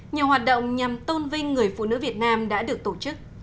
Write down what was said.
nhiều hoạt động nhằm tôn vinh người phụ nữ việt nam đã được tổ chức